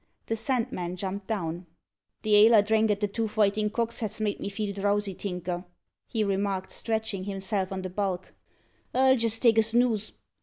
The Sandman jumped down. "The ale I drank at the 'Two Fighting Cocks' has made me feel drowsy, Tinker," he remarked, stretching himself on the bulk; "I'll just take a snooze.